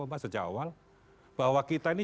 pak sejawal bahwa kita ini